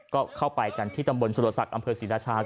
ก็เข้าไปกันที่ตำบลสุรศักดิ์อำเภอศรีราชา